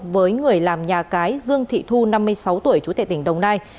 với người làm nhà cái dương thị thu năm mươi sáu tuổi trú tại tỉnh đồng nai